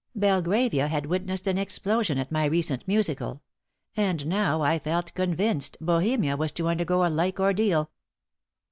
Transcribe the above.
Belgravia had witnessed an explosion at my recent musical. And now, I felt convinced, bohemia was to undergo a like ordeal.